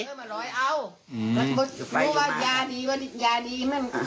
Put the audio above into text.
ก็บอกว่ายานี้ยานี้เหมือนครับ